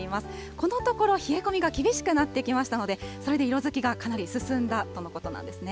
このところ冷え込みが厳しくなってきましたので、それで色づきがかなり進んだとのことなんですね。